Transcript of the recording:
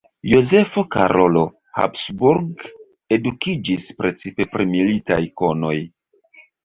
Jozefo Karolo Habsburg edukiĝis precipe pri militaj konoj.